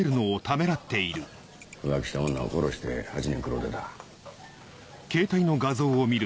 浮気した女を殺して８年食ろうてた。